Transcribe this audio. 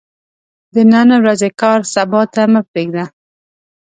د نن ورځې کار سبا ته مه پريږده